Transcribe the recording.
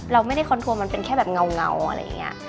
เราไม่ได้คอนทัวร์มันเป็นแค่แบบเงาอะไรอย่างนี้